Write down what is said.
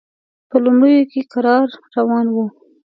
په لومړیو کې کرار روان و.